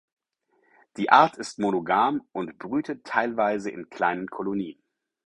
Die Art ist monogam und brütet teilweise in kleinen Kolonien.